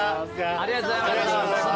ありがとうございます。